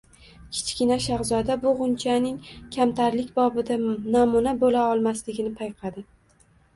Kichkina shahzoda bu g‘unchaning kamtarlik bobida namuna bo‘lolmasligini payqadi